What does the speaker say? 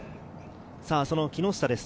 その木下です。